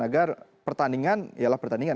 agar pertandingan ialah pertandingan